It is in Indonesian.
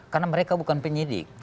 karena mereka bukan penyidik